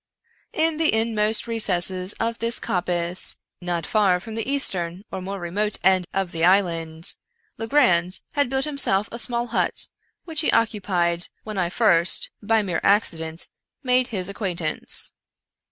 In the inmost recesses of this coppice, not far from the eastern or more remote end of the island, Legrand had built himself a small hut, which he occupied when I first, by mere accident, made his acquaintance.